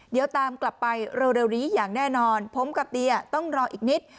เดี๋ยวตามกลับไปเร็วนี้อย่างแน่นอนผมกับเดียต้องรออีกนิด